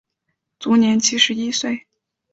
卒年七十一岁。